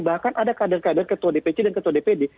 bahkan ada kader kader ketua dpc dan ketua dpd